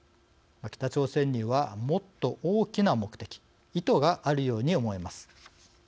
北朝鮮には、もっと大きな目的意図があるように思えます。